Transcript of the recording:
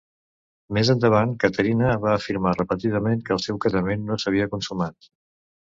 Més endavant, Caterina va afirmar repetidament que el seu casament no s'havia consumat.